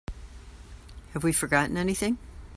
Have we forgotten anything?